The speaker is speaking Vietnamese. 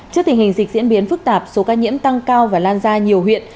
trước tình hình dịch diễn biến phức tạp số ca nhiễm tăng cao và lan ra nhiều huyện